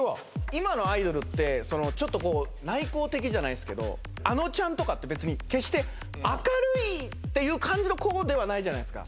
今のアイドルってちょっとこう内向的じゃないですけどあのちゃんとかって別に決して明るいっていう感じの子ではないじゃないですか